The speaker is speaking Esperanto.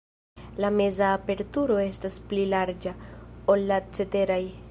La meza aperturo estas pli larĝa, ol la ceteraj.